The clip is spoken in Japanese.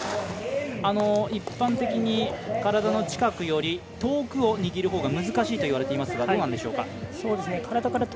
一般的に体の近くより遠くを握るほうが難しいといわれていますがどうなんでしょうか。